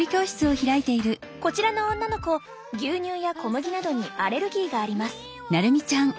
こちらの女の子牛乳や小麦などにアレルギーがあります。